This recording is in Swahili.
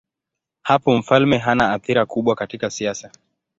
Hapo mfalme hana athira kubwa katika siasa.